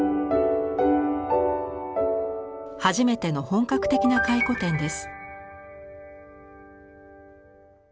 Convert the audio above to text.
初めての本格的な回顧展です。